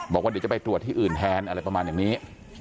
บอกว่าเดี๋ยวจะไปตรวจที่อื่นแทนอะไรประมาณอย่างนี้